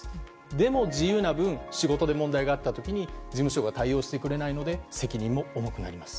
でも自由な分仕事で問題があった時事務所が対応してくれないので責任も重くなります。